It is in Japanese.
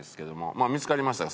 まあ見付かりましたか？